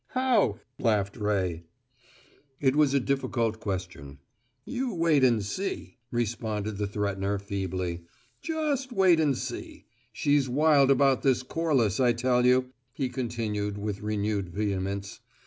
"How?" laughed Ray. It was a difficult question. "You wait and see," responded the threatener, feebly. "Just wait and see. She's wild about this Corliss, I tell you," he continued, with renewed vehemence.